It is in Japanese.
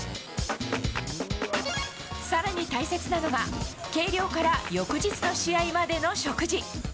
更に大切なのが計量から翌日の試合までの食事。